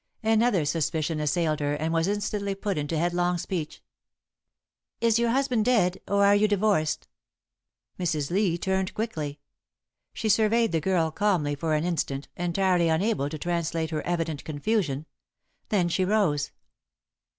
Another suspicion assailed her and was instantly put into headlong speech. "Is your husband dead, or are you divorced?" [Sidenote: Too Late] Mrs. Lee turned quickly. She surveyed the girl calmly for an instant, entirely unable to translate her evident confusion; then she rose.